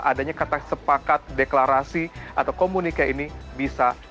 adanya kata sepakat deklarasi atau komunikasi ini bisa kita lakukan